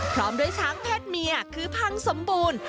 พร้อมด้วยช้างเพศเมียคือพังสมบูรณ์